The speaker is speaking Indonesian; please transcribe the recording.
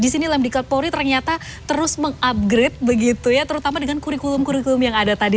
di sini lem dikat polri ternyata terus meng upgrade begitu ya terutama dengan kurikulum kurikulum yang ada tadi